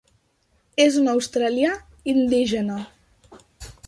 És un australià indígena.